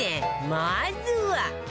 まずは